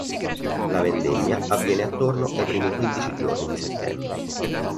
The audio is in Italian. La vendemmia avviene attorno ai primi quindici giorni di settembre.